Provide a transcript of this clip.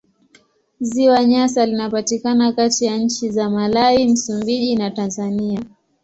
Ziwa Nyasa linapatikana kati ya nchi za Malawi, Msumbiji na Tanzania.